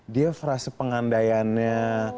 dia frase pengandainya